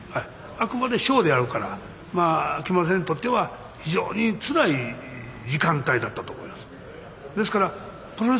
あくまでショーであるから木村先生にとっては非常につらい時間帯だったと思います。